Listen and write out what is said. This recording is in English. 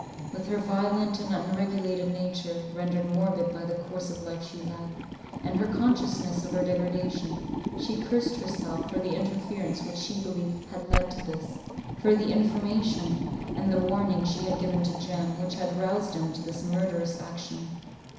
With her violent and unregulated nature, rendered morbid by the course of life she led, and her consciousness of her degradation, she cursed herself for the interference which she believed had led to this; for the information and the warning she had given to Jem, which had roused him to this murderous action.